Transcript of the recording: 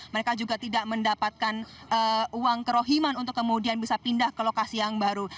mereka juga tidak mendapatkan uang kerohiman untuk kemudian bisa pindah ke lokasi yang baru